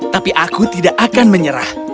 tapi aku tidak akan menyerah